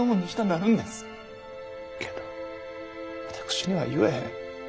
けど私には言えへん。